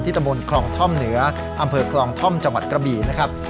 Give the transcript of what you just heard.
ตำบลคลองท่อมเหนืออำเภอคลองท่อมจังหวัดกระบี่นะครับ